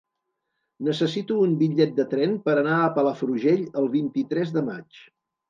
Necessito un bitllet de tren per anar a Palafrugell el vint-i-tres de maig.